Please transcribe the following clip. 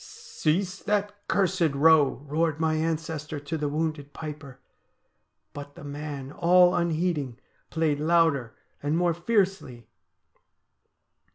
'" Cease that cursed row," roared my ancestor to the wounded piper ; but the man, all unheeding, played louder and more fiercely.